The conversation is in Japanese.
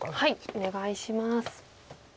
お願いします。